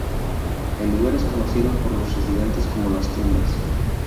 El lugar es conocido por los residentes como "Las Tumbas".